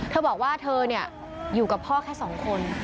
เธอบอกว่าเธออยู่กับพ่อแค่๒คน